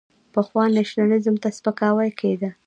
پخوا نېشنلېزم ته سپکاوی کېده.